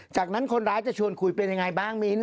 จากนั้นคนร้ายจะชวนคุยเป็นยังไงบ้างมิ้น